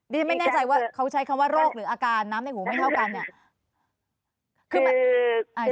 ฉันไม่แน่ใจว่าเขาใช้คำว่าโรคหรืออาการน้ำในหูไม่เท่ากันเนี่ย